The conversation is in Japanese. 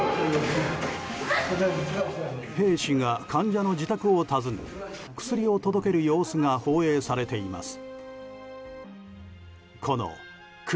兵士が患者の自宅を訪ね薬を届ける様子が放映されています。